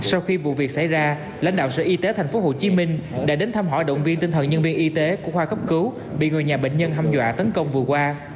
sau khi vụ việc xảy ra lãnh đạo sở y tế tp hcm đã đến thăm hỏi động viên tinh thần nhân viên y tế của khoa cấp cứu bị người nhà bệnh nhân hâm dọa tấn công vừa qua